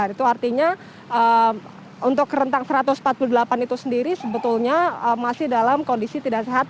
itu artinya untuk rentang satu ratus empat puluh delapan itu sendiri sebetulnya masih dalam kondisi tidak sehat